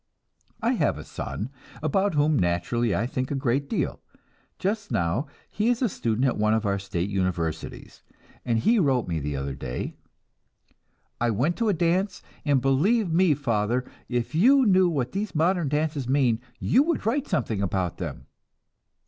I have a son, about whom naturally I think a great deal; just now he is a student at one of our state universities, and he wrote me the other day: "I went to a dance, and believe me, father, if you knew what these modern dances mean, you would write something about them."